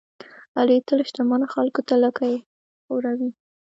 علي تل شتمنو خلکوته لکۍ خوروي.